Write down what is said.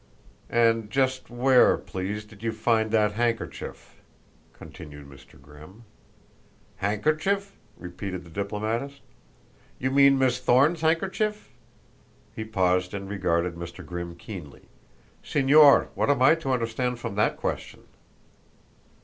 "And just where, please, did you find that handkerchief?" continued Mr. Grimm. "Handkerchief?" repeated the diplomatist. "You mean Miss Thorne's handkerchief?" He paused and regarded Mr. Grimm keenly. "Señor, what am I to understand from that question?"